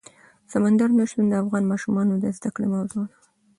سمندر نه شتون د افغان ماشومانو د زده کړې موضوع ده.